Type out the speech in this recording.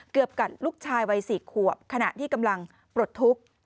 กัดลูกชายวัย๔ขวบขณะที่กำลังปลดทุกข์